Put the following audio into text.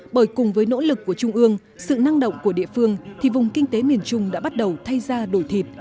bởi cùng với nỗ lực của trung ương sự năng động của địa phương thì vùng kinh tế miền trung đã bắt đầu thay ra đổi thịt